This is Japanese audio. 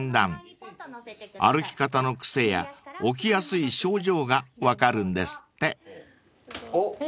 ［歩き方の癖や起きやすい症状が分かるんですって］へ